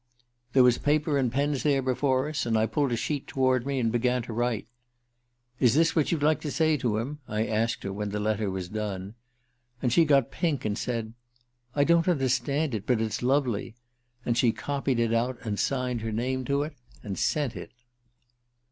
"There was paper and pens there before us, and I pulled a sheet toward me, and began to write. 'Is this what you'd like to say to him?' I asked her when the letter was done. And she got pink and said: 'I don't understand it, but it's lovely.' And she copied it out and signed her name to it, and sent it."